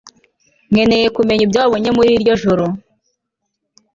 Nkeneye kumenya ibyo wabonye muri iryo joro